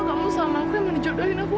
kamu sama aku yang menjodohin aku